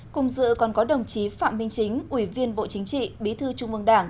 cùng dự còn có đồng chí phạm minh chính ủy viên bộ chính trị bí thư trung mương đảng